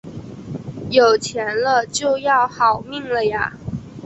有钱了就要好命了啊